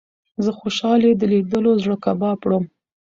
زه خوشال يې له ليدلو زړه کباب وړم